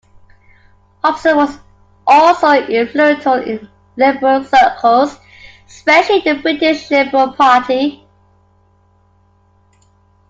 Hobson was also influential in liberal circles, especially the British Liberal Party.